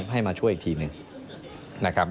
ให้มาช่วยอีกทีหนึ่งนะครับ